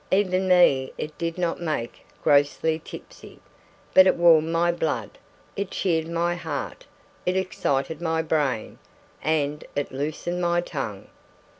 Even me it did not make grossly tipsy. But it warmed my blood, it cheered my heart, it excited my brain, and it loosened my tongue.